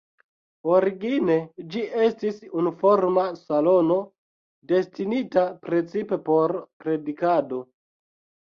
Origine ĝi estis unuforma salono, destinita precipe por predikado.